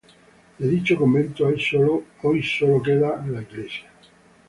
De dicho convento hoy solo queda la iglesia.